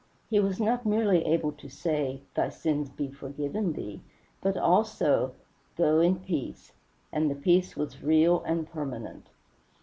He was not merely able to say, "Thy sins be forgiven thee," but also, "Go in peace;" and the peace was real and permanent.